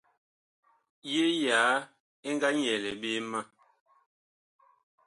Yee yaa ɛ nga nyɛɛle ɓe ma.